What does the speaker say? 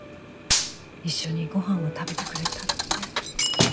一緒にご飯を食べてくれた」って。